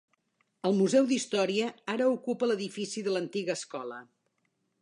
El museu d'història ara ocupa l'edifici de la antiga escola.